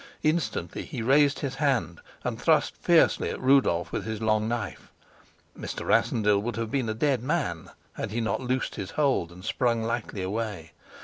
Instantly he raised his hand and thrust fiercely at Rudolf with his long knife. Mr. Rassendyll would have been a dead man, had he not loosed his hold and sprung lightly away.